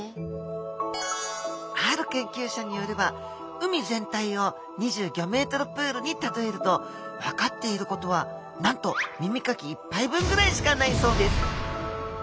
ある研究者によれば海全体を２５ｍプールに例えると分かっていることはなんと耳かき１杯分くらいしかないそうです。